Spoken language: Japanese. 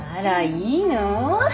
いいの？